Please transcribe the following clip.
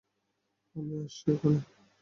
আমি আসছি এখনি!